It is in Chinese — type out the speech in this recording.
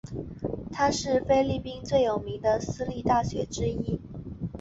它是菲律宾最有名的私立大学之一。